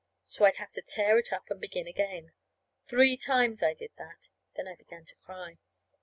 So I'd have to tear it up and begin again. Three times I did that; then I began to cry.